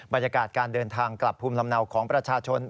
บรรยากาศการเดินทางกลับภูมิลำเนาของประชาชน